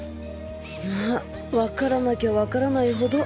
まぁわからなきゃわからないほど。